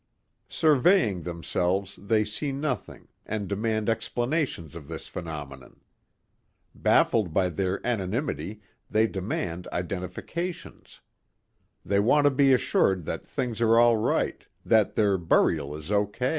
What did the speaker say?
Surveying themselves they see nothing and demand explanations of this phenomenon. Baffled by their anonymity they demand identifications. They want to be assured that things are all right, that their burial is O.